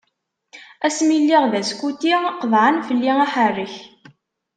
Asmi lliɣ d askuti, qeḍɛen fell-i aḥerrek.